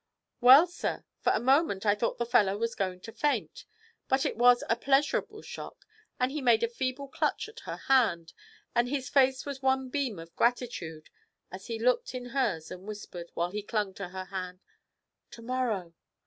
'Well, sir, for a moment I thought the fellow was going to faint, but it was a pleasurable shock, and he made a feeble clutch at her hand, and his face was one beam of gratitude as he looked in hers and whispered, while he clung to her hand, "To morrow."